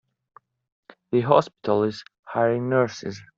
The hospital is hiring nurses.